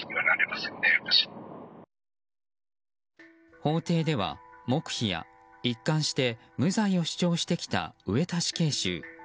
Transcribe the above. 法廷では、黙秘や一貫して無罪を主張してきた上田死刑囚。